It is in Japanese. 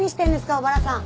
小原さん。